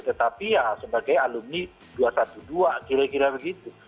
tetapi ya sebagai alumni dua ratus dua belas kira kira begitu